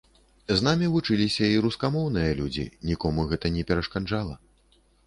З намі вучыліся і рускамоўныя людзі, нікому гэта не перашкаджала.